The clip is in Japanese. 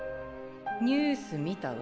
ニュース見たわ。